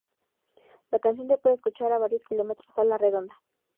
La canción se puede escuchar a varios kilómetros a la redonda.